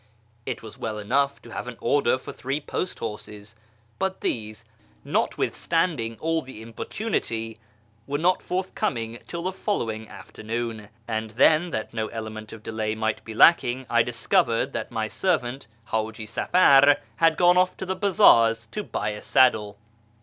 It was well enough to have an order for three post horses ; but these, not withstanding all my importunity, were not forthcoming till the following afternoon, and then, that no element of delay might be lacking, I discovered that my servant Haji Safar had gone off to the bazaars to buy a saddle.